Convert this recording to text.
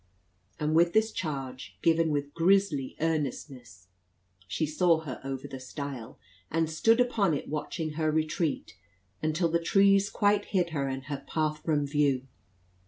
And with this charge, given with grizzly earnestness, she saw her over the stile, and stood upon it watching her retreat, until the trees quite hid her and her path from view.